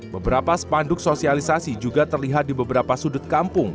beberapa spanduk sosialisasi juga terlihat di beberapa sudut kampung